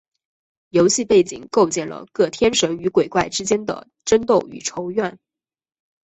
游戏背景构建了各天神与鬼怪之间的争斗与仇怨。